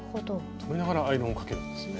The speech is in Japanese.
留めながらアイロンをかけるんですね。